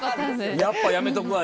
「やっぱやめとくわ」